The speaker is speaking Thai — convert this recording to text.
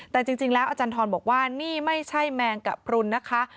แต่จริงแล้วอาจารย์ทรบอกว่านี่ไม่ใช่แมงกะพรุนนะคะ